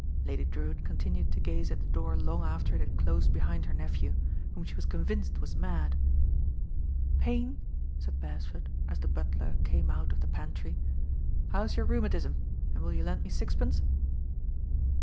Lady Drewitt continued to gaze at the door long after it had closed behind her nephew, whom she was convinced was mad. "Payne," said Beresford, as the butler came out t88 THE RAIN 6IRL of the pantry, "how is your rheumatism, and will you lend me sixpence?"